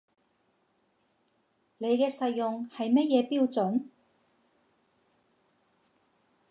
你嘅實用係乜嘢標準